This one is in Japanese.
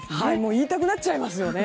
言いたくなっちゃいますよね。